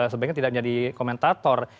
sebenarnya tidak menjadi komentator